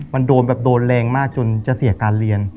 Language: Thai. มันโดนแรงมากจนจะเสียการเรียน